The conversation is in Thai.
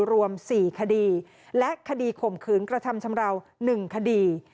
รวม๔คดีและคดีข่มขืนกระทำชำราว๑คดี